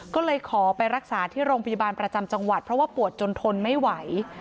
ก็เลยขอไปรักษาที่โรงพยาบาลประจำจังหวัดเพราะว่าปวดจนทนไม่ไหว